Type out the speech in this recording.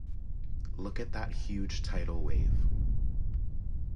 Look at that huge tidal wave.